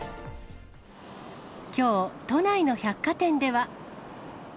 きょう、都内の百貨店では。